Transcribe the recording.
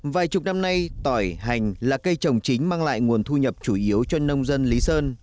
vài chục năm nay tỏi hành là cây trồng chính mang lại nguồn thu nhập chủ yếu cho nông dân lý sơn